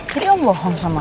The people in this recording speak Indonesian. jadi kamu bohong sama aku